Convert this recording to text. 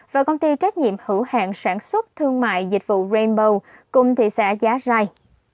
và công ty trách nhiệm hữu hàng sản xuất thương mại dịch vụ rainbow cùng thị xã giá rai